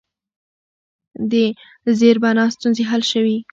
د زیربنا ستونزې حل شوي؟